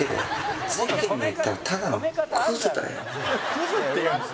クズって言うんですよ。